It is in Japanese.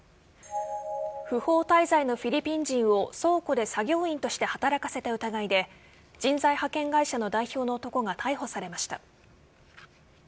不法滞在のフィリピン人を倉庫で作業員として働かせた疑いで人材派遣会社の代表の男が逮捕されました。